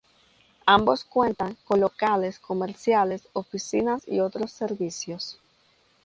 Ambos cuentan con locales comerciales, oficinas y otros servicios.